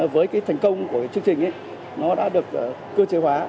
với cái thành công của chương trình nó đã được cơ chế hóa